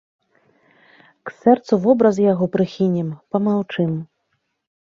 К сэрцу вобраз яго прыхінем, памаўчым.